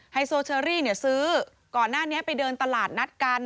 โซเชอรี่เนี่ยซื้อก่อนหน้านี้ไปเดินตลาดนัดกัน